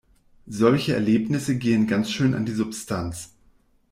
Solche Erlebnisse gehen ganz schön an die Substanz.